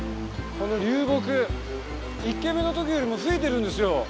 この流木１件目の時よりも増えてるんですよ。